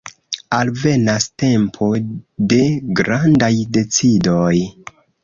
Alvenas tempo de grandaj decidoj.